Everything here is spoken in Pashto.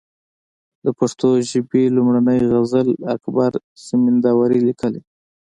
د پښتو ژبي لومړنۍ غزل اکبر زمینداوري ليکلې